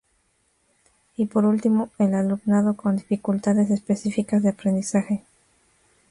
Y por último, el alumnado con dificultades específicas de aprendizaje.